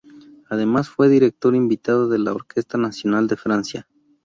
Además fue director invitado de la Orquesta Nacional de Francia.